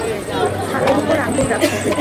থালার উপর আঙ্গুর রাখ।